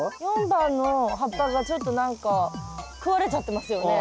４番の葉っぱがちょっと何か食われちゃってますよね。